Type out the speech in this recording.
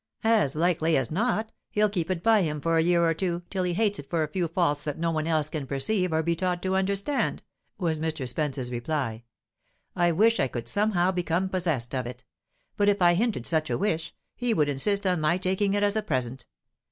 "As likely as not, he'll keep it by him for a year or two, till he hates it for a few faults that no one else can perceive or be taught to understand," was Mr. Spence's reply. "I wish I could somehow become possessed of it. But if I hinted such a wish, he would insist on my taking it as a present.